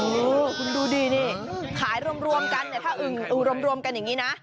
อูห์คุณดูดีนี่ขายรวมกันอึงรวมกันอย่างนี้นะ